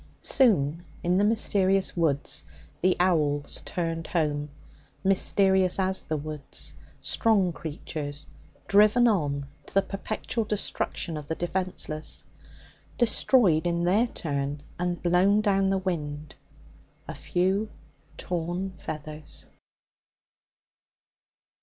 Soon, in the mysterious woods, the owls turned home mysterious as the woods strong creatures driven on to the perpetual destruction of the defenceless, destroyed in their turn and blown down the wind a few torn feathers.